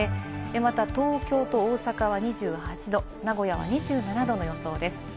また東京と大阪は２８度、名古屋は２７度の予想です。